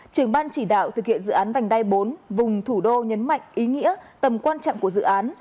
trưởng ban chỉ đạo thực hiện dự án vành đai bốn vùng thủ đô nhấn mạnh ý nghĩa tầm quan trọng của dự án